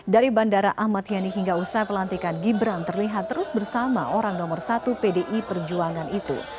dari bandara ahmad yani hingga usai pelantikan gibran terlihat terus bersama orang nomor satu pdi perjuangan itu